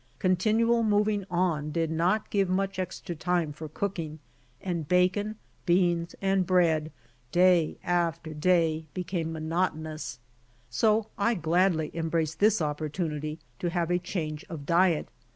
Continual moving on did not give much extra time for cooking, and bacon, beans and bread, day after day, became monotonous; so I gladly embraced this opportunity to have a change of diet.